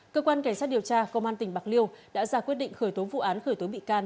cơ quan cảnh sát điều tra công an tỉnh bạc liêu đã ra quyết định khởi tố vụ án khởi tố bị can